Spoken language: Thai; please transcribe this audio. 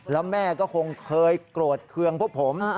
แล้วแม่ก็คงเคยโกรธเคืองพวกผม